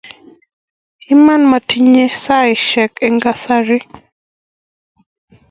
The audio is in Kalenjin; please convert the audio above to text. iman motinye saisiek en kasari